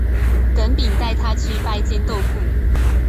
耿秉带他去拜见窦固。